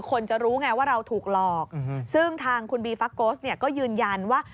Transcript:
คนจะรู้ไงว่าเราถูกหลอกซึ่งทางคุณบีฟักโกสเนี่ยก็ยืนยันว่า